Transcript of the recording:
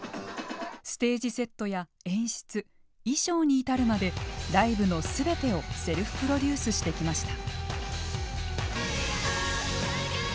ステージセットや演出衣装に至るまでライブのすべてをセルフプロデュースしてきました。